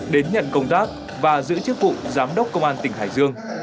đến nhận công tác và giữ chức vụ giám đốc công an tỉnh hải dương